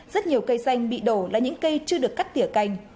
rất nhiều cây xanh bị đổ là những cây chưa được cắt tỉa cành